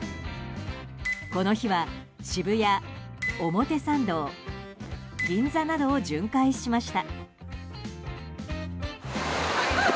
この日は渋谷、表参道銀座などを巡回しました。